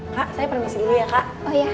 kak saya permisi dulu ya kak